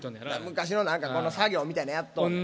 昔の何か作業みたいなやっとんねん。